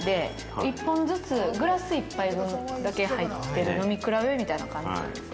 １本ずつグラス１杯分だけ入っている、飲み比べみたいな感じなんですよ。